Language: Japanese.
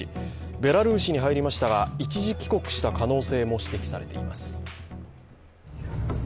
ベラルーシに入りましたが、一時帰国した可能性も指摘されています。